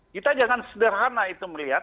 kita jangan sederhana itu melihat